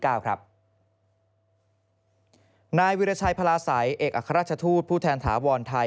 วิรชัยพลาศัยเอกอัครราชทูตผู้แทนถาวรไทย